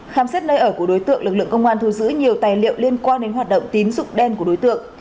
khám xét nơi ở của đối tượng lực lượng công an thu giữ nhiều tài liệu liên quan đến hoạt động tín dụng đen của đối tượng